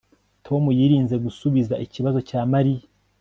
Tom yirinze gusubiza ikibazo cya Mariya